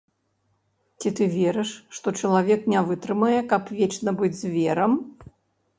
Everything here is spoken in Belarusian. Ці ты верыш, што чалавек не вытрымае, каб вечна быць зверам?